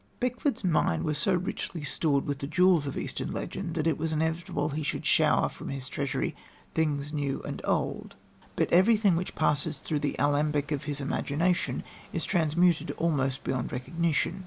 Beckford's mind was so richly stored with the jewels of Eastern legend that it was inevitable he should shower from his treasury things new and old, but everything which passes through the alembic of his imagination is transmuted almost beyond recognition.